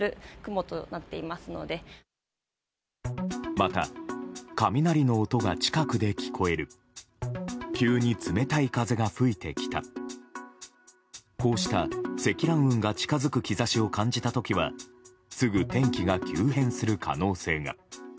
また、雷の音が近くで聞こえる急に冷たい風が吹いてきたこうした積乱雲が近づく兆しを感じた時はすぐ天気が急変する可能性が。